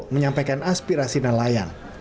menyampaikan aspirasi nelayan